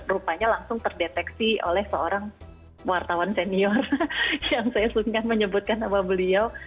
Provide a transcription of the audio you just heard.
rupanya langsung terdeteksi oleh seorang wartawan senior yang saya sungkan menyebutkan sama beliau